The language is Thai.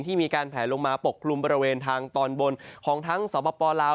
มีการแผลลงมาปกกลุ่มบริเวณทางตอนบนของทั้งสปลาว